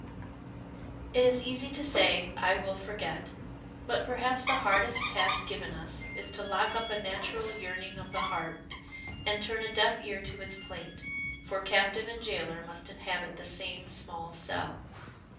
It is easy to say, "I will forget," but perhaps the hardest task given us is to lock up a natural yearning of the heart, and turn a deaf ear to its plaint, for captive and jailer must inhabit the same small cell.